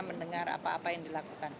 mendengar apa apa yang dilakukan